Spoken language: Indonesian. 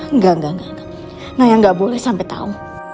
enggak enggak naya gak boleh sampai tau